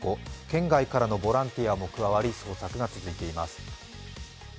県外からのボランティアも加わり捜索が続いています。